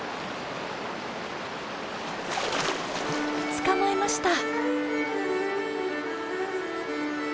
捕まえました！